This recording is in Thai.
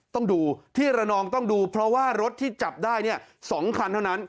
ต้องดูที่ระนองต้องดูเพราะว่ารถที่จับได้๒คันเท่านั้น